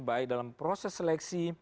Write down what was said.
baik dalam proses seleksi